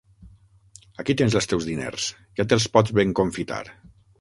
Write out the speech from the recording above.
Aquí tens els teus diners: ja te'ls pots ben confitar.